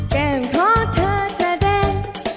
แก้มขอเธอจะเด้ง